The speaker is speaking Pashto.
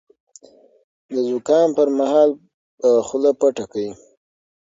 د زکام پر مهال خوله پټه کړئ.